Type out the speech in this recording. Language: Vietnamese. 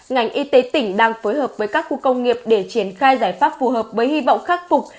ngành y tế tỉnh đang phối hợp với các khu công nghiệp để triển khai giải pháp phù hợp với hy vọng khắc phục